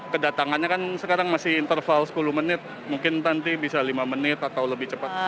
kedatangannya kan sekarang masih interval sepuluh menit mungkin nanti bisa lima menit atau lebih cepat